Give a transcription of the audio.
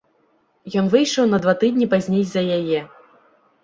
Ён выйшаў на два тыдні пазней за яе.